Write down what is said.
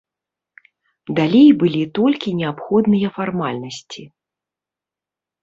Далей былі толькі неабходныя фармальнасці.